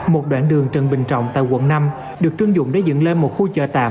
một đoạn đường trần bình trọng tại quận năm được trưng dụng để dựng lên một khu chợ tạm